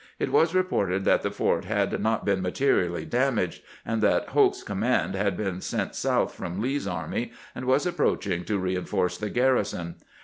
It was reported that the fort had not been materially damaged, and that Hoke's command had been sent south from Lee's army, and was approaching to re inforce the garrison.